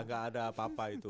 nggak ada apa apa itu